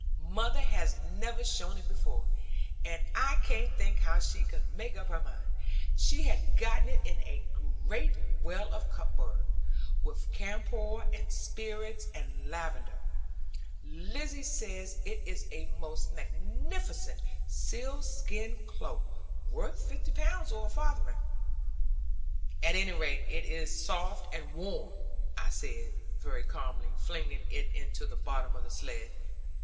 Mother has never shown it before; and I can't think how she could make up her mind. She had gotten it in a great well of a cupboard, with camphor, and spirits, and lavender. Lizzie says it is a most magnificent sealskin cloak, worth fifty pounds, or a farthing.' 'At any rate it is soft and warm,' said I, very calmly flinging it into the bottom of the sledd.